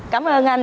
cảm ơn anh